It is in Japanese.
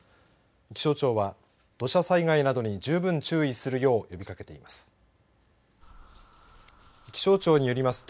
気象庁は土砂災害などに十分注意するよう呼びかけています。